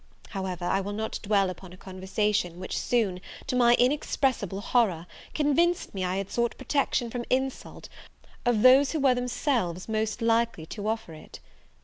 However, I will not dwell upon a conversation, which soon, to my inexpressible horror, convinced me I had sought protection from insult, of those who were themselves most likely to offer it!